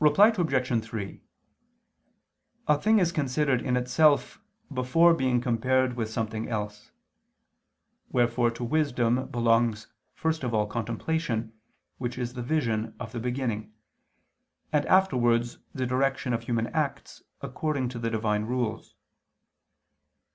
Reply Obj. 3: A thing is considered in itself before being compared with something else. Wherefore to wisdom belongs first of all contemplation which is the vision of the Beginning, and afterwards the direction of human acts according to the Divine rules.